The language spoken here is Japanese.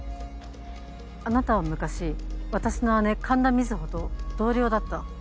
あなたは昔私の姉神田水帆と同僚だった。